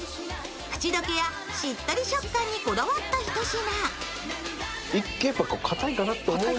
口溶けやしっとり食感にこだわったひと品。